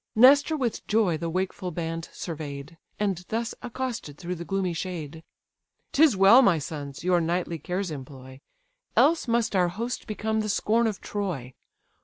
Nestor with joy the wakeful band survey'd, And thus accosted through the gloomy shade. "'Tis well, my sons! your nightly cares employ; Else must our host become the scorn of Troy.